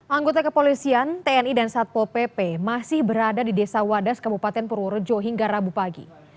anggota kepolisian tni dan satpol pp masih berada di desa wadas kabupaten purworejo hingga rabu pagi